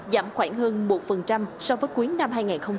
giảm khoảng hơn một so với cuối năm hai nghìn hai mươi ba